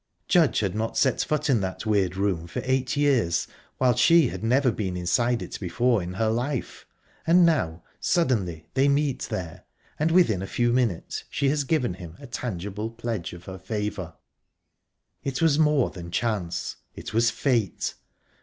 Judge had not set foot in that weird room for eight years, while she had never been inside it before in her life and now, suddenly, they meet there, and within a few minutes she has given him a tangible pledge of her favour... It was more than chance; it was _fate.